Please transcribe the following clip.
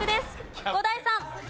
伍代さん。